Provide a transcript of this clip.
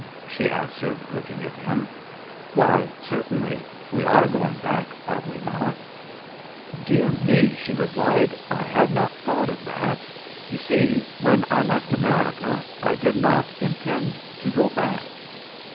she answered, looking at him. "Why, certainly; we are going back, are we not?" "Dear me," she replied, "I had not thought of that. You see, when I left America I did not intend to go back."